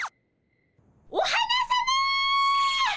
お花さま！